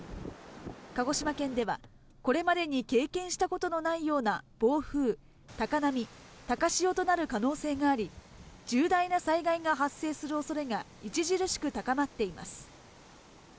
鹿児島県では、これまでに経験したことのないような暴風、高波、高潮となる可能性があり、重大な災害が発生するおそれが著しく高まっています。